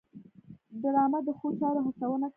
ډرامه د ښو چارو هڅونه کوي